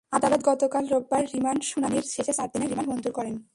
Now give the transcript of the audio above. আদালত গতকাল রোববার রিমান্ড শুনানির শেষে চার দিনের রিমান্ড মঞ্জুর করেন।